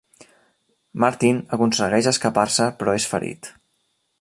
Martin aconsegueix escapar-se però és ferit.